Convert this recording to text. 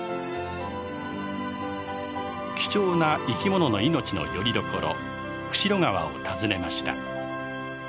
貴重な生き物の命のよりどころ釧路川を訪ねました。